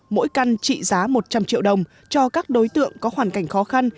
mỗi căn trị giá một trăm linh triệu đồng cho các đối tượng có hoàn cảnh khó khăn